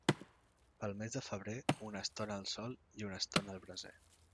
Pel mes de febrer, una estona al sol i una estona al braser.